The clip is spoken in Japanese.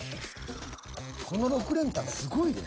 この６連単すごいで。